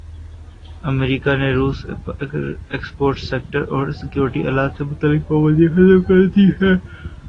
امریکا نے روس پرایکسپورٹ سیکٹر اور سیکورٹی آلات سے متعلق پابندیاں ختم کردی ہیں